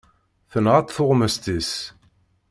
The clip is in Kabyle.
Tenɣa-tt tuɣmest-is.